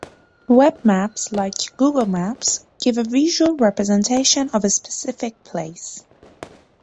Web maps like Google Maps give a visual representation of a specific place.